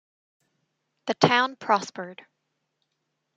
The town prospered.